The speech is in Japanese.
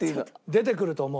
出てくると思う。